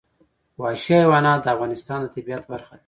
وحشي حیوانات د افغانستان د طبیعت برخه ده.